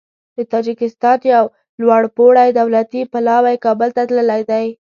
د تاجکستان یو لوړپوړی دولتي پلاوی کابل ته تللی دی.